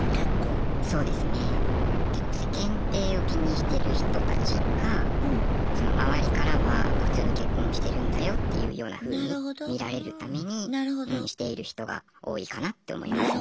結構世間体を気にしてる人たちが周りからは普通の結婚をしてるんだよっていうようなふうに見られるためにしている人が多いかなって思いますね。